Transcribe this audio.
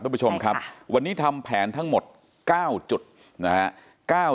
คุณผู้ชมครับวันนี้ทำแผนทั้งหมด๙จุดนะฮะ